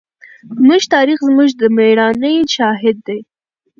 زموږ تاریخ زموږ د مېړانې شاهد دی.